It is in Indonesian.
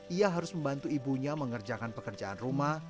ia harus membantu ibunya mengerjakan pekerjaan rumah